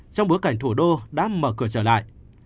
trong bối cảnh thủ đô đã mở cửa trở lại